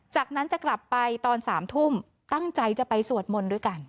จากนั้นจะกลับไปตอน๓ทุ่มตั้งใจจะไปสวดมนต์ด้วยกัน